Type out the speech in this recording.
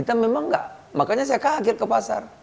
dan memang enggak makanya saya kaget ke pasar